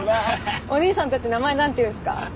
お兄さんたち名前なんていうんすか？